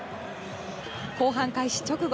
後半開始直後